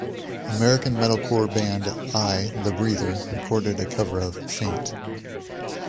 American metalcore band I, the Breather recorded a cover of "Faint".